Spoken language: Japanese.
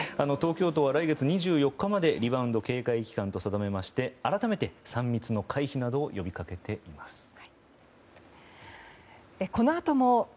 東京都は来月２４日までリバウンド警戒期間と定めまして改めて３密の回避などを呼び掛けています。